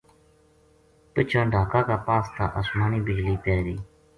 پِچھاں ڈھاکا کا پاس تا اسمانی بجلی پے گئی